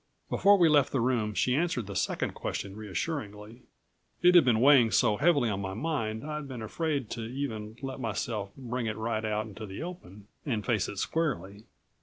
Before we left the room she answered the second question reassuringly. It had been weighing so heavily on my mind I'd been afraid to even let myself bring it right out into the open and face it squarely.